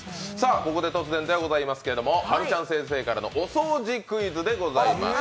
ここで突然ではございますけれどもはるちゃん先生からのお掃除クイズでございます。